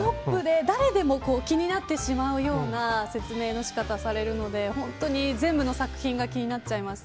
誰でも気になってしまうような説明の仕方をされるのでほんとに全部の作品が気になっちゃいましたね。